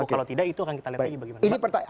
kalau tidak itu akan kita lihat lagi bagaimana